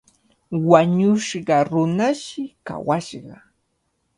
Wañushqa runashi kawashqa.